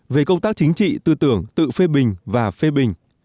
về công tác chính trị tư tưởng tự phê bình và phê bình